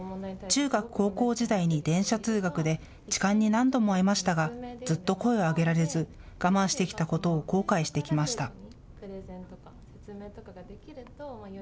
中学、高校時代に電車通学で痴漢に何度も遭いましたがずっと声を上げられず我慢してきたことを後悔してきました。